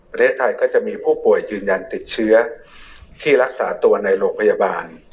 ประเทศไทยก็จะมีผู้ป่วยยืนยันติดเชื้อที่รักษาตัวในโรงพยาบาล